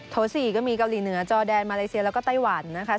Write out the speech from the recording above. โ๔ก็มีเกาหลีเหนือจอแดนมาเลเซียแล้วก็ไต้หวันนะคะ